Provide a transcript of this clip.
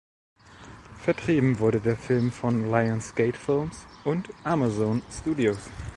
Vertrieben wurde der Film von Lionsgate Films und Amazon Studios.